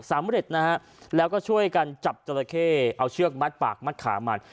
สำเร็จนะฮะแล้วก็ช่วยกันจับจราเข้เอาเชือกมัดปากมัดขามัน